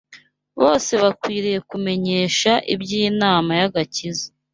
Bose bakwiriye kumenyesha iby’inama y’agakiza